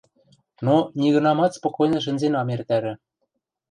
но нигынамат спокойно шӹнзен ам эртӓрӹ.